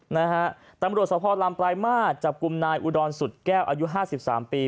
นะฮะตำรวจสภลำปลายมาตรจับกลุ่มนายอุดรสุดแก้วอายุห้าสิบสามปี